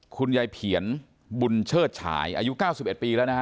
คุณยายเผียรบุญเชิดฉายอายุเก้าสิบเอ็ดปีแล้วนะฮะ